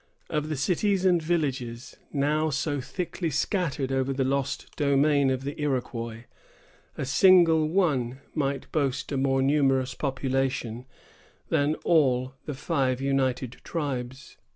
Of the cities and villages now so thickly scattered over the lost domain of the Iroquois, a single one might boast a more numerous population than all the five united tribes.